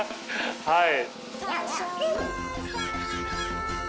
はい。